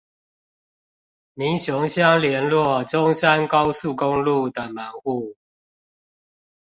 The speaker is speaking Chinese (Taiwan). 民雄鄉聯絡中山高速公路的門戶